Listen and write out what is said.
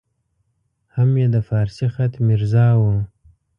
هم یې د فارسي خط میرزا وو.